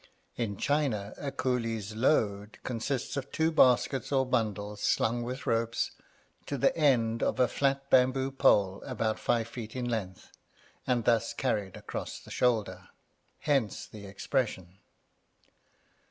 In China, a coolie's "load" consists of two baskets or bundles slung with ropes to the end of a flat bamboo pole about five feet in length, and thus carried across the shoulder. Hence the expression.